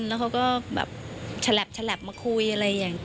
แล้วเขาก็แบบฉลับมาคุยอะไรอย่างนี้